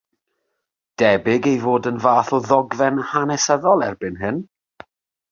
Debyg ei bod yn fath o ddogfen hanesyddol erbyn hyn.